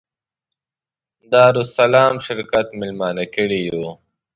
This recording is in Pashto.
دارالسلام شرکت مېلمانه کړي یو.